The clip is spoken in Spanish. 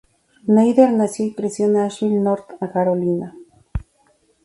Schneider nació y creció en Asheville, North Carolina.